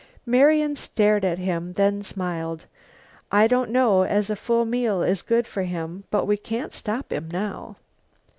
Marian stared at him, then smiled. "I don't know as a full meal is good for him, but we can't stop him now."